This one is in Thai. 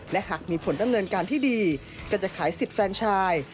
และหากมีผลดำเนินการที่ดีก็จะขายสิทธิ์แฟนชาย